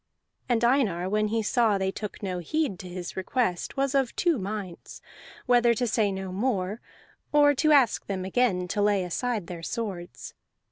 And Einar, when he saw they took no heed to his request, was of two minds: whether to say no more, or to ask them again to lay aside their swords.